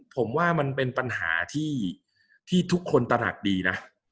ผมว่ามันเป็นปัญหาที่ทุกคนตระหนักดีนะ